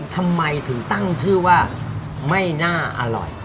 ทำไมถึงตั้งชื่อว่าไม่น่าอร่อย